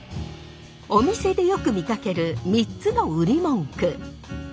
お店でよく見かける３つの売り文句。